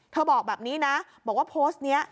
บอกแบบนี้นะบอกว่าโพสต์นี้